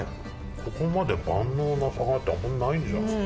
ここまで万能な魚ってあんまないんじゃないっすか？